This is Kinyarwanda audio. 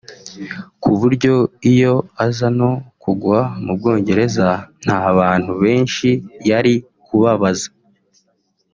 ku buryo iyo aza no kugwa mu Bwongereza nta bantu benshi yari kubabaza